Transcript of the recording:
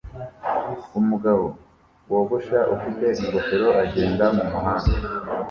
Umugabo wogosha ufite ingofero agenda mumuhanda